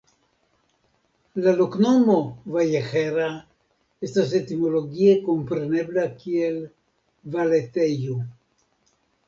La loknomo "Vallejera" estas etimologie komprenebla kiel "Valetejo".